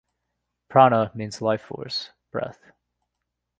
"Prana" means "life force, breath".